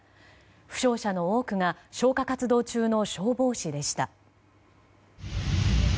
負傷者の多くが消火活動中の消防士でした。